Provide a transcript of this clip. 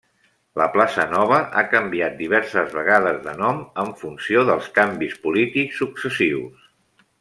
La Plaça Nova ha canviat diverses vegades de nom en funció dels canvis polítics successius.